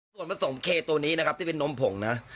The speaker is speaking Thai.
ส่วนผสมเคตัวนี้นะครับที่เป็นนมผงนะ